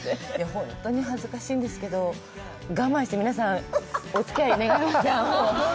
本当に恥ずかしいんですけど、我慢して、皆さん、おつき合い願えますか。